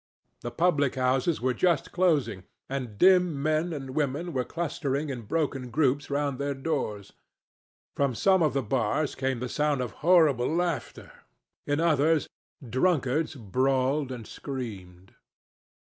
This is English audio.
The public houses were just closing, and dim men and women were clustering in broken groups round their doors. From some of the bars came the sound of horrible laughter. In others, drunkards brawled and screamed.